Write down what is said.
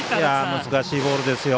難しいボールですよね。